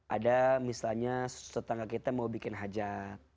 ada misalnya tetangga kita mau bikin hajat